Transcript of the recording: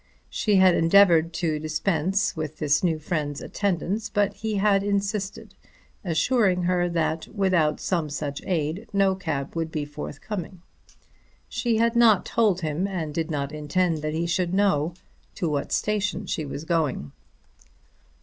She had endeavoured to dispense with this new friend's attendance, but he had insisted, assuring her that without some such aid no cab would be forthcoming. She had not told him and did not intend that he should know to what station she was going.